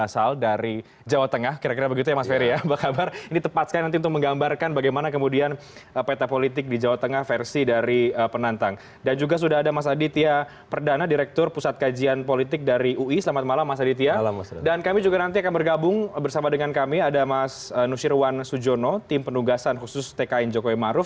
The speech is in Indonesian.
sebelumnya prabowo subianto